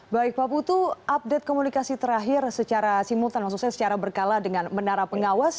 baik pak putu update komunikasi terakhir secara simultan maksud saya secara berkala dengan menara pengawas